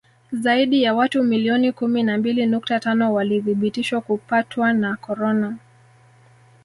Zaidi ya watu milioni kumi na mbili nukta tano walithibitishwa kupatwa na korona